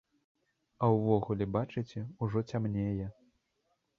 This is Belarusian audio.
А ўвогуле, бачыце, ужо цямнее.